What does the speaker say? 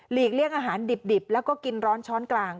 เลี่ยงอาหารดิบแล้วก็กินร้อนช้อนกลาง